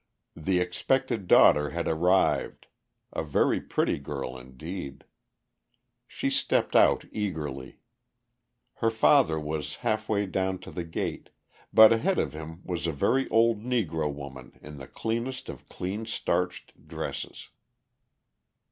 The expected daughter had arrived a very pretty girl indeed. She stepped out eagerly. Her father was halfway down to the gate; but ahead of him was a very old Negro woman in the cleanest of clean starched dresses.